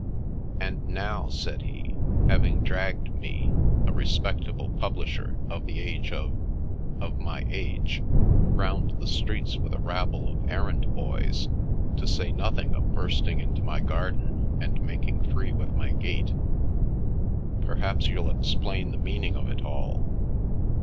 " And now/' said he, " having dragged me, a respect able publisher of the age of — of my age, round the streets with a rabble of errand boys, to say nothing of bursting into my garden and making free with my gate, perhaps you'll explain the meaning of it all.